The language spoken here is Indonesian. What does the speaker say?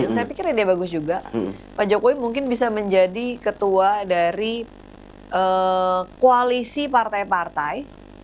saya pikir ini bagus juga pak jokowi mungkin bisa menjadi ketua dari koalisi partai partai